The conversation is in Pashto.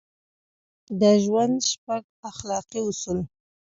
د ژوند شپږ اخلاقي اصول: